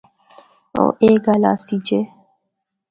او اے گل آسی جے۔